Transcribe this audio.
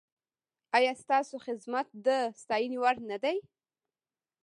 ایا ستاسو خدمت د ستاینې وړ نه دی؟